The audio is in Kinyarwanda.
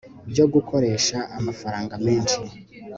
byo gukoresha amafaranga menshi